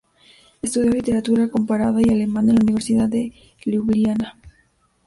Estudió literatura comparada y alemán en la Universidad de Liubliana.